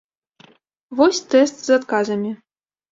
Вось тэст з адказамі.